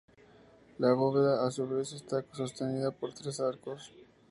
La bóveda, a su vez, está sostenida por tres arcos.